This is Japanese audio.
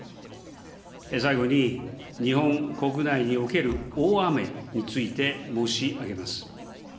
最後に、日本国内における大雨について申し上げます。